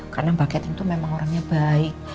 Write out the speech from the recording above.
karena mbak catherine itu memang orangnya baik